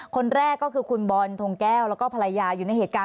คนแรกก็คือคุณบอลทงแก้วแล้วก็ภรรยาอยู่ในเหตุการณ์